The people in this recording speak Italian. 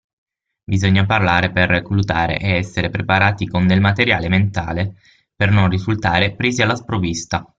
Bisogna parlare per reclutare e essere preparati con del materiale mentale per non risultare "presi alla sprovvista".